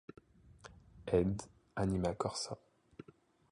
Ed. Anima Corsa.